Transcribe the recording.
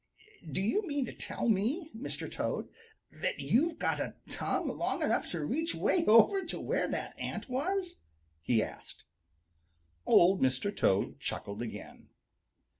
"Do you mean to tell me, Mr. Toad, that you've got a tongue long enough to reach way over to where that ant was?" he asked. Old Mr. Toad chuckled again.